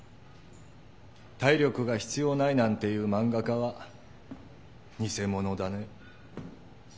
「体力が必要ない」なんて言う漫画家はニセモノだね。